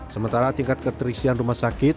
sementara tingkat keterisian rumah sakit